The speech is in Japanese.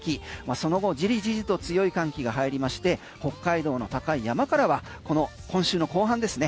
その後じりじりと強い寒気が入りまして北海道の高い山からは今週の後半ですね